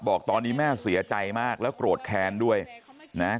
บอกตอนนี้แม่เสียใจมากแล้วโกรธแค้นด้วยนะฮะ